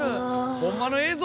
ホンマの映像？